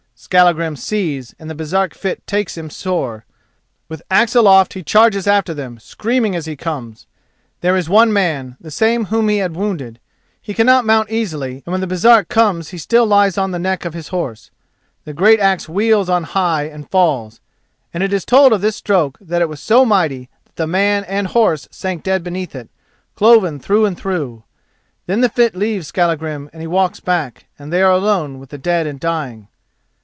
Skallagrim sees, and the Baresark fit takes him sore. With axe aloft he charges after them, screaming as he comes. There is one man, the same whom he had wounded. He cannot mount easily, and when the Baresark comes he still lies on the neck of his horse. The great axe wheels on high and falls, and it is told of this stroke that it was so mighty that man and horse sank dead beneath it, cloven through and through. Then the fit leaves Skallagrim and he walks back, and they are alone with the dead and dying.